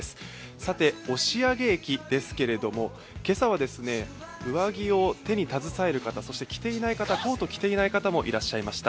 さて、押上駅ですけれども、今朝は上着を手に携える方、そしてコートを着ていない方もいらっしゃいました。